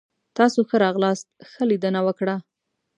تاسو ښه راغلاست. ښه لیدنه وکړه!